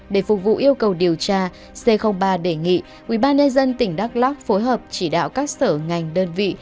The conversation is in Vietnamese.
để phục vụ yêu cầu điều tra c ba đề nghị ubnd tỉnh đắk lóc phối hợp chỉ đạo các sở ngành đơn vị